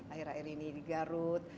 akhir akhir ini di garut